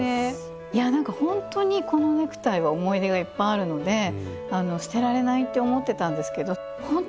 いやなんかほんとにこのネクタイは思い出がいっぱいあるので捨てられないって思ってたんですけどほんとに今回よかったです。